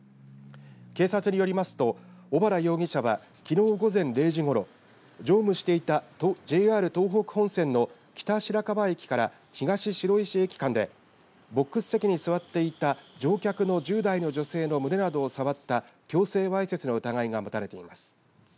警察によりますと小原容疑者はきのう午前０時ごろ、乗務していたＪＲ東北本線の北白川駅から東白石駅間でボックス席に座っていた乗客の１０代の女性の胸などを触った強制わいせつの疑いが持たれています。